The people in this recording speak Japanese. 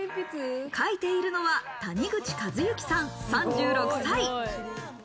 描いているのは谷口和之さん、３６歳。